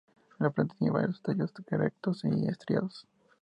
La planta tiene varios tallos erectos o estriados.